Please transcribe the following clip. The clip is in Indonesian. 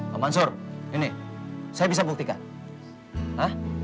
pak mansur ini saya bisa buktikan